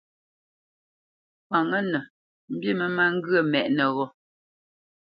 Kwǎnŋə́nə mbî mə má ŋgyə̂ mɛ́ʼnə́ ghô.